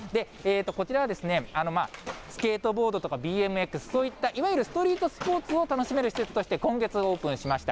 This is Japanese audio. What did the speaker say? こちらは、スケートボードとか、ＢＭＸ、そういったいわゆるストリートスポーツを楽しめる施設として、今月オープンしました。